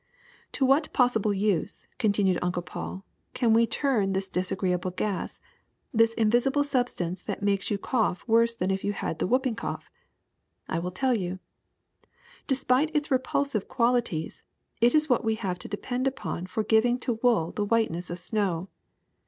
'' ^^To what possible use," continued Uncle Paul, ^'can we turn this disagreeable gas, this invisible substance that makes you cough worse than if you had the whooping cough! I will tell you. Despite its repulsive qualities, it is what we have to depend upon for giving to wool the whiteness of snow.